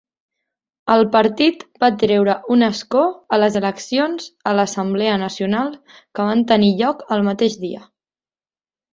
El partit va treure un escó a les eleccions a l'Assemblea Nacional que van tenir lloc el mateix dia.